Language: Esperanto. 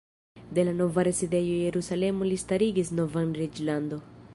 De la nova rezidejo Jerusalemo li starigis novan reĝlandon.